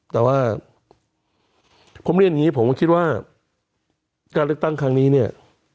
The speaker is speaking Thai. แต่ว่าผมเรียนอย่างนี้ผมคิดว่าการเลือกตั้งครั้งนี้เนี่ย